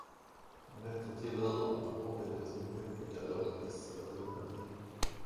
Han rättar till lurarna och väljer sin peppiga låtlista ur menyn.